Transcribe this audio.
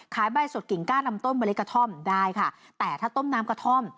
ใบสดกิ่งก้านำต้มเมล็ดกระท่อมได้ค่ะแต่ถ้าต้มน้ำกระท่อม